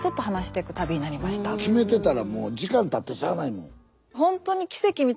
決めてたらもう時間たってしゃあないもん。